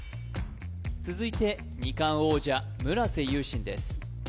続いて２冠王者村瀬勇信です